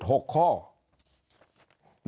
ในช่วงที่ยังรังเลและไม่ได้ตัดสินใจให้เด็ดขาด